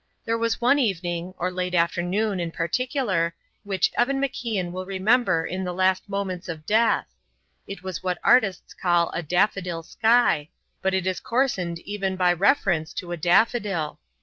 There was one evening, or late afternoon, in particular, which Evan MacIan will remember in the last moments of death. It was what artists call a daffodil sky, but it is coarsened even by reference to a daffodil.